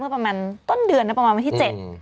ประมาณต้นเดือนนะประมาณวันที่เจ็ด